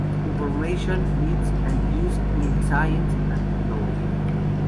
Information needs and uses in science and technology.